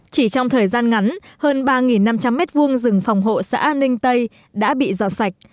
chỉ trong thời gian ngắn hơn ba năm trăm linh m hai rừng phòng hộ xã ninh tây đã bị giò sạch